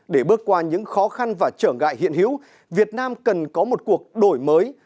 để bước qua những khó khăn và trở ngại hiện hữu việt nam cần có một cuộc đổi mới